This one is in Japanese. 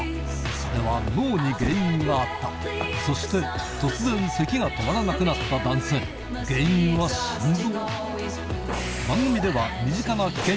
それは脳に原因があったそして突然せきが止まらなくなった男性原因は心臓？